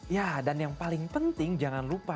ya dan yang paling penting jangan lupa